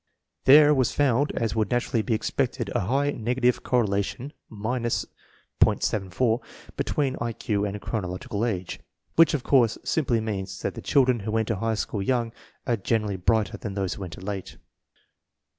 There was found, as would naturally be expected, a high negative correla tion ( .74) between I Q and chronological age, which, of course, simply means that the children who enter high school young are generally brighter than those who enter late.